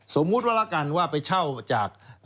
สมมุติว่าละกันว่าไปเช่าจาก